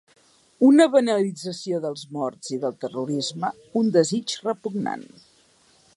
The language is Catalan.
Una banalització dels morts i del terrorisme, un desig repugnant.